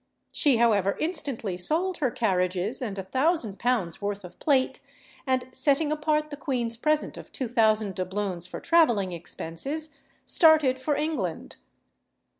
She, however, instantly sold her carriages and a thousand pounds' worth of plate, and setting apart the queen's present of two thousand doubloons for travelling expenses, started for England.